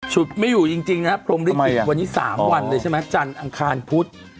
ฉุดไม่อยู่จริงนะครับพรมลิขิตวันนี้๓วันเลยใช่ไหมจันทร์อังคารพุธ